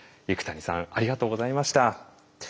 幾谷さんありがとうございました。